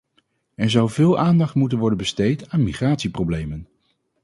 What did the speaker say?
Er zou veel aandacht moeten worden besteed aan migratieproblemen.